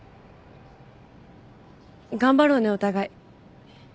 頑張ろうねお互い。